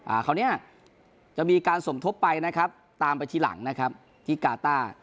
คราวเนี้ยจะมีการสมทบไปนะครับตามไปทีหลังนะครับที่กาต้า